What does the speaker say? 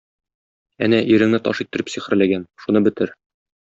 Әнә, иреңне таш иттереп сихерләгән, шуны бетер.